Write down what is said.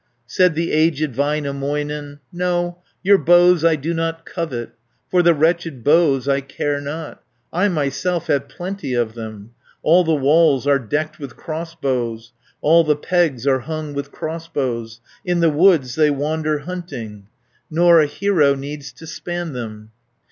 Said the aged Väinämöinen, "No, your bows I do not covet, For the wretched bows I care not; I myself have plenty of them. All the walls are decked with crossbows, All the pegs are hung with crossbows; 370 In the woods they wander hunting, Nor a hero needs to span them."